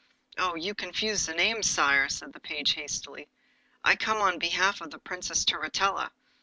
'You confuse the names, Sire,' said the page hastily. 'I come on behalf of the Princess Turritella.